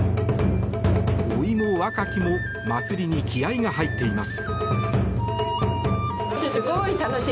老いも若きも祭りに気合が入っています。